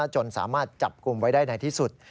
จนสามารถจับกลุ่มไว้ได้ในที่สุด